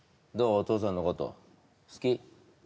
お父さんのこと好き？